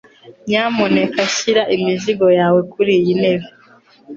Nyamuneka shyira imizigo yawe kuriyi ntebe